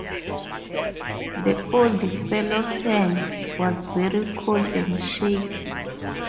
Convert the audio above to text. The old fellow's hand was very cold and shaky.